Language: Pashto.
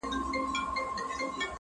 لوڅ لپړ توره تر ملا شمله یې جګه!!